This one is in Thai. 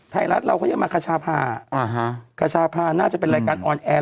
ไทยรัฐเราก็ยังมาคชาพาคชาพาน่าจะเป็นรายการออนแอร์